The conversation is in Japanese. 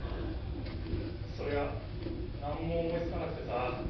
それが何も思いつかなくて。